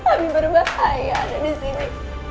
abi bermahaya disini